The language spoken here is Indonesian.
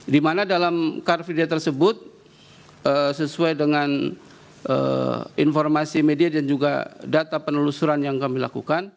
di mana dalam car free day tersebut sesuai dengan informasi media dan juga data penelusuran yang kami lakukan